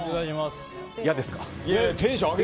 嫌ですか？